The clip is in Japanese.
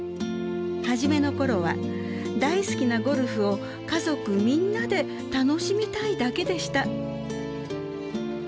初めの頃は大好きなゴルフを家族みんなで楽しみたいだけでした。